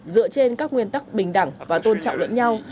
dựa trên các nguyên tắc bình đẳng và tôn trọng lẫn nhau